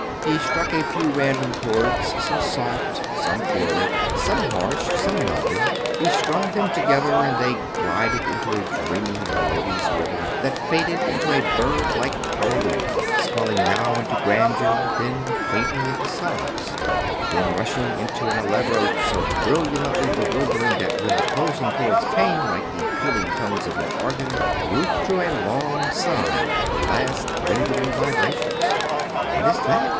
He struck a few random chords, some soft, some florid, some harsh, some melting; he strung them together and then glided into a dreamy, melodious rhythm, that faded into a bird like hallelujah, swelling now into grandeur, then fainting into sobs, then rushing into an allegro so brilliantly bewildering that when the closing chords came like the pealing tones of an organ, Ruth drew a long sigh with the last lingering vibrations. "What is that?"